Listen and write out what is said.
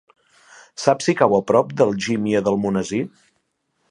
Saps si cau a prop d'Algímia d'Almonesir?